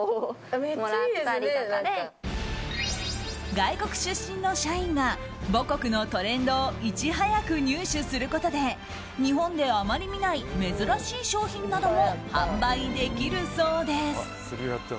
外国出身の社員が母国のトレンドをいち早く入手することで日本であまり見ない珍しい商品なども販売できるそうです。